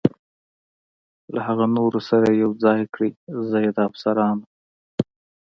له هغه نورو سره یې یو ځای کړئ، زه یې د افسرانو.